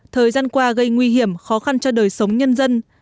thời gian qua gây nguy hiểm khó khăn cho đời sống nhân dân